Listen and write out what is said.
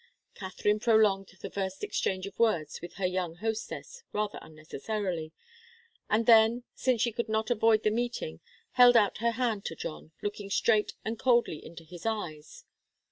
Katharine prolonged the first exchange of words with her young hostess rather unnecessarily, and then, since she could not avoid the meeting, held out her hand to John, looking straight and coldly into his eyes.